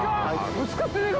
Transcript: ぶつかってないか？